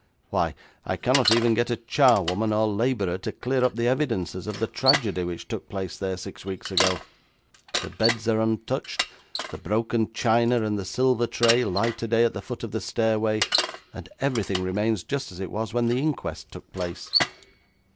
Why, I cannot even get a charwoman or labourer to clear up the evidences of the tragedy which took place there six weeks ago. The beds are untouched, the broken china and the silver tray lie today at the foot of the stairway, and everything remains just as it was when the inquest took place.'